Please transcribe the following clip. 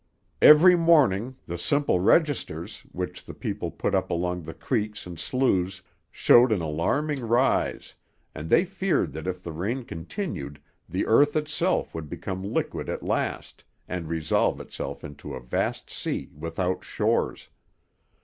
Every morning the simple registers, which the people put up along the creeks and sloughs, showed an alarming rise, and they feared that if the rain continued the earth itself would become liquid at last, and resolve itself into a vast sea without shores.